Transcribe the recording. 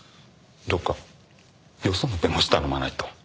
どっかよその弁護士頼まないと。